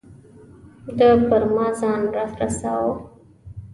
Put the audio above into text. ده پر ما ځان را رساوه.